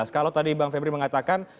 kalau tadi bang febri mengatakan